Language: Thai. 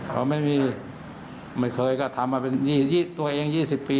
เพราะไม่เคยก็ทำมาตัวเอง๒๐ปี